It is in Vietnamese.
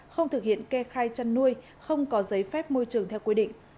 không thực hiện kê khai chăn nuôi không có giấy phép môi trường theo quy định